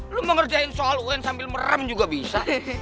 lo mengerjain soal un sambil merem juga bisa